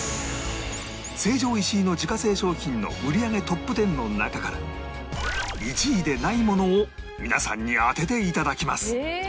成城石井の自家製商品の売り上げトップ１０の中から１位でないものを皆さんに当てて頂きます